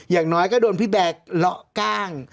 อย่างน้อยก็โดนพี่แบร์เลาะกล้าง